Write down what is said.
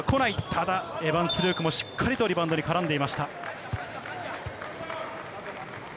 ただ、エヴァンス・ルークもしっかりとリバウンドに絡んでいました。